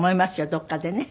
どこかでね。